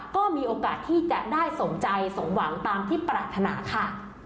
ก็มีโอกาสที่จะได้สมใจสมหวังตามที่ปรารถนาค่ะ